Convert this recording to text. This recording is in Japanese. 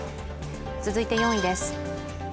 続いて４位です。